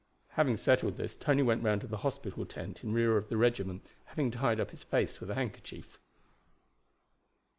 Having settled this, Tony went round to the hospital tent in rear of the regiment, having tied up his face with a handkerchief.